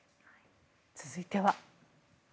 続いては。